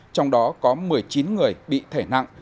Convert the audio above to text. trong đó có một mươi chín người bị thể nặng